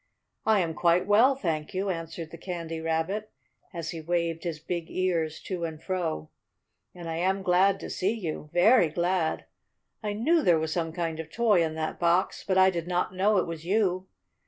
"I am quite well, thank you," answered the Candy Rabbit, as he waved his big ears to and fro. "And I am glad to see you very glad! I knew there was some kind of toy in that box, but I did not know it was you.